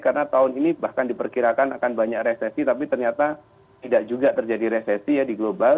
karena tahun ini bahkan diperkirakan akan banyak resesi tapi ternyata tidak juga terjadi resesi ya di global